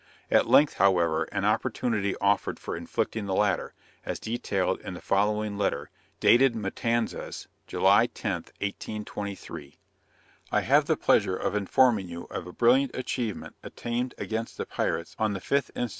At length, however, an opportunity offered for inflicting the latter, as detailed in the following letter, dated Matanzas, July 10, 1823. "I have the pleasure of informing you of a brilliant achievement obtained against the pirates on the 5th inst.